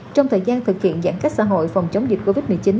trong thời gian thực hiện giãn cách xã hội phòng chống dịch covid một mươi chín